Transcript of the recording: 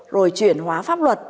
rồi chuyển hóa pháp luật